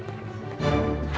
jangan lama ya